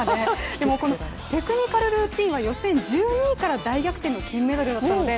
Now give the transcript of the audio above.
でもこのテクニカルルーティンは予選１２位から大逆転の１２位だったので